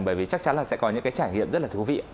bởi vì chắc chắn là sẽ có những cái trải nghiệm rất là thú vị